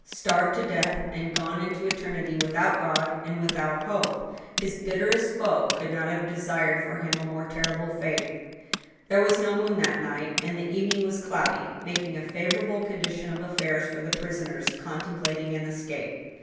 Starved to death and gone into eternity without God and without hope! his bitterest foe could not have desired for him a more terrible fate. There was no moon that night, and the evening was cloudy, making a favorable condition of affairs for the prisoners contemplating an escape.